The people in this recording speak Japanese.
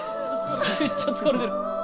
めっちゃ疲れてる。